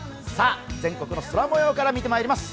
全国の空もようから見てまいります。